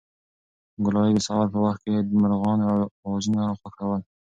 ګلالۍ د سهار په وخت کې د مرغانو اوازونه خوښول.